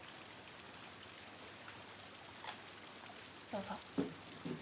どうぞ。